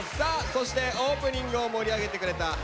そしてオープニングを盛り上げてくれたＨｉＨｉＪｅｔｓ！